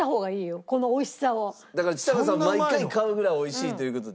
だからちさ子さん毎回買うぐらい美味しいという事で。